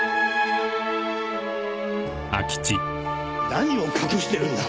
何を隠してるんだ！